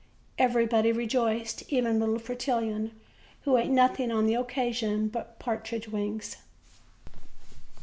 Everybody re joiced, even little Fretillon, who ate nothing on the occa sion but partridge wings.